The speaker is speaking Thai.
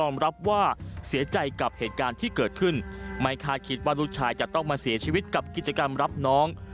ไม่ค่าคิดว่าลูกชายจะต้องมาเสียชีวิตกับกิจกรรมรับน้อง